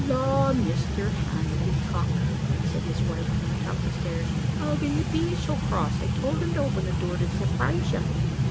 "Law, Mr Handycock," said his wife, from the top of the stairs, "how can you be so cross? I told him to open the door to surprise you."